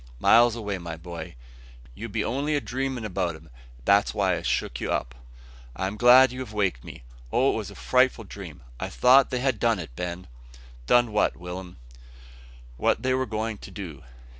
"Miles away, my boy. You be only a dreamin' about 'em. That's why I've shook you up." "I'm glad you have waked me. Oh! it was a frightful dream! I thought they had done it, Ben." "Done what, Will'm?" "What they were going to do."